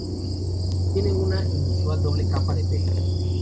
Tienen una inusual doble capa de pelo.